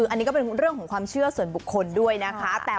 อันนี้ก็เป็นเรื่องของความเชื่อส่วนบุคคลด้วยนะคะ